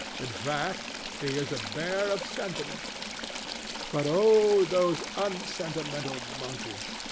In fact, he is a bear of sentiment. But oh those unsentimental monkeys!